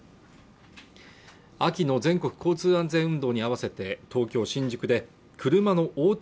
秋の全国交通安全運動に合わせて東京・新宿で車の横転